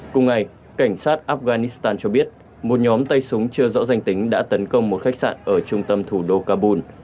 cùng ngày cảnh sát afghanistan cho biết một nhóm tay súng chưa rõ danh tính đã tấn công một khách sạn ở trung tâm thủ đô kabul